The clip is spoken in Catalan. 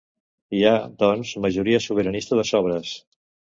Hi ha, doncs, majoria sobiranista de sobres.